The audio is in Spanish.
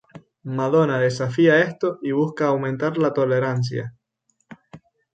Madonna desafía esto y busca aumentar la tolerancia.